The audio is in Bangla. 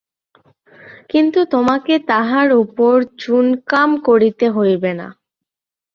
কিন্তু তোমাকে তাহার উপর চুনকাম করিতে হইবে না।